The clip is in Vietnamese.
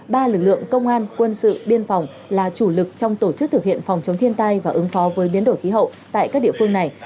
ba lực lượng công an quân sự biên phòng là chủ lực trong tổ chức thực hiện phòng chống thiên tai và ứng phó với biến đổi khí hậu tại các địa phương này